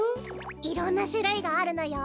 いろんなしゅるいがあるのよ。